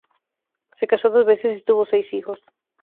Se casó dos veces y tuvo seis hijos.